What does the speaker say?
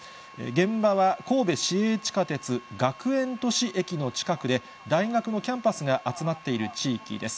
現場は神戸市営地下鉄学園都市駅の近くで、大学のキャンパスが集まっている地域です。